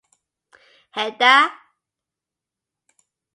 Heda.